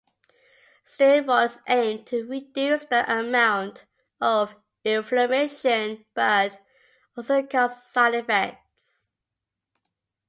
Steroids aim to reduce the amount of inflammation, but also cause side effects.